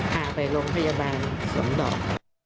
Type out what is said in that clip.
พาไปโรงพยาบาลสมดอก